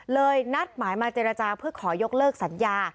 นัดหมายมาเจรจาเพื่อขอยกเลิกสัญญา